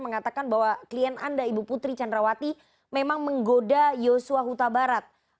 mengatakan bahwa klien anda ibu putri candrawati memang menggoda yosua huta barat